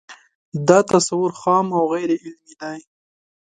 دا تصور خام او غیر علمي دی